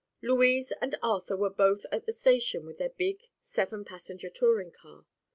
Louise and Arthur were both at the station with their big seven passenger touring car.